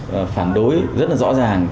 và phản đối rất là rõ ràng